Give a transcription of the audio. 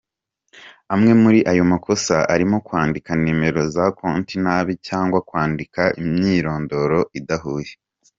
Amwe muri ayo makosa arimo kwandika nimero za konti nabi cyangwa kwandika imyirondoro idahuye.